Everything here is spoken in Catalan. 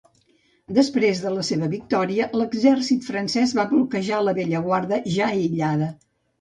Després de la seva victòria, l'exèrcit francès va bloquejar la Bellaguarda ja aïllada.